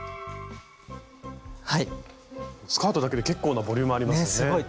スカートだけで結構なボリュームありますね。ね。